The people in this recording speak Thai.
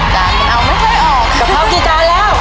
ข้าวกิจานน์แล้ว